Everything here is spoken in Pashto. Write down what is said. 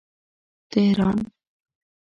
تهران